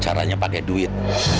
caranya pakai duit